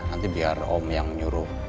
nanti biar om yang nyuruh